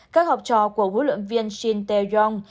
các học trò của quốc lượng viên shin tae yong